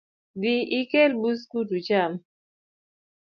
Dhi ikel buskut ucham